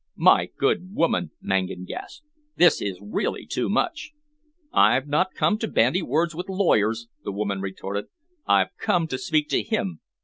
"My good woman!" Mangan gasped. "This is really too much!" "I've not come to bandy words with lawyers," the woman retorted. "I've come to speak to him.